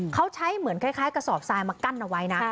เขาใช้เหมือนคล้ายกระสอบทรายมากั้นเอาไว้นะ